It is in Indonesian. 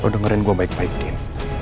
lo dengerin gue baik baik din